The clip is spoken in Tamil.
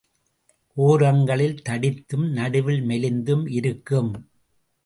ஒரங்களில் தடித்தும் நடுவில் மெலிந்தும் இருக்கும்.